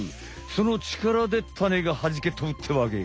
そのちからでタネがはじけ飛ぶってわけ。